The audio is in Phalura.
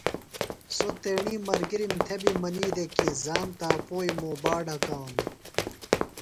سوۡ تیݨی ملگِرِم تھےۡ بیۡ منی دےۡ کی زان تاپوئیۡ موبا ڈھکانُوۡ۔